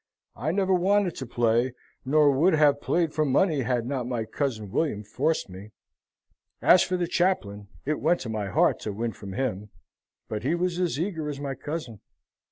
"I never wanted to play, nor would have played for money had not my cousin William forced me. As for the chaplain, it went to my heart to win from him, but he was as eager as my cousin."